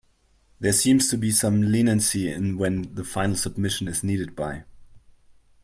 There seems to be some leniency in when the final submission is needed by.